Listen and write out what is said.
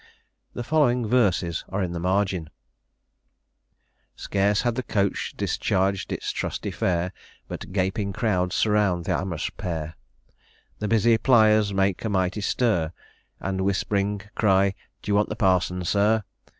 The following verses are in the margin: "Scarce had the coach discharg'd its trusty fare, But gaping crowds surround th' amorous pair; The busy Plyers make a mighty stir, And whisp'ring cry, D'ye want the Parson, Sir?